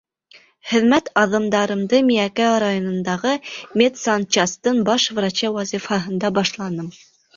Хеҙмәт аҙымдарымды Миәкә районындағы медсанчастың баш врачы вазифаһында башланым.